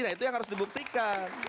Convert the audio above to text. nah itu yang harus dibuktikan